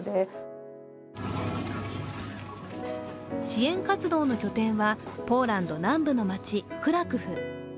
支援活動の拠点は、ポーランド南部の街クラクフ。